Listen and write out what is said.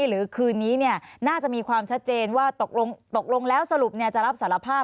หรือคืนนี้น่าจะมีความชัดเจนว่าตกลงแล้วสรุปจะรับสารภาพ